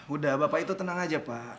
udah bapak itu tenang aja pak